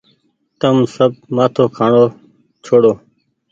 تم سب مآٿو کآڻو ڇوڙو۔